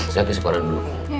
saya ke sekolahan dulu